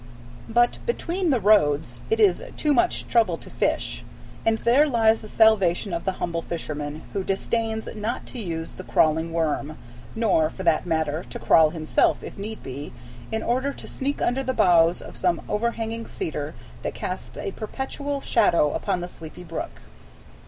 But "between the roads" it is "too much trouble to fish;" and there lies the salvation of the humble fisherman who disdains not to use the crawling worm, nor, for that matter, to crawl himself, if need be, in order to sneak under the boughs of some overhanging cedar that casts a perpetual shadow upon the sleepy brook.